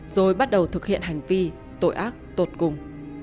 rồi bắt đầu thực hiện hành vi tội ác tột cùng